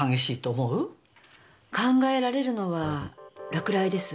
考えられるのは落雷です。